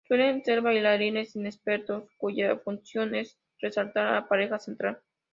Suelen ser bailarines inexpertos, cuya función es resaltar a la pareja central.